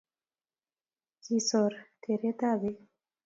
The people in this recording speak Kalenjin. kisor teretab beek.